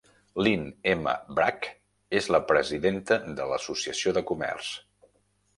Lynn M. Bragg és la presidenta de l'associació de comerç.